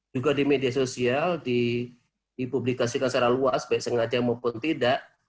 juga di media sosial dipublikasikan secara luas baik sengaja maupun tidak